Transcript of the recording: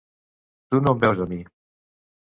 Tu no em veus a mi.